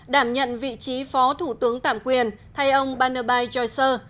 đảm nhận vị trí phó thủ tướng tạm quyền thay ông barnaby chaucer